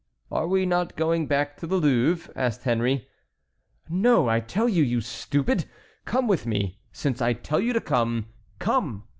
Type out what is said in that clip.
"Are we not going back to the Louvre?" asked Henry. "No, I tell you, you stupid! Come with me, since I tell you to come. Come!"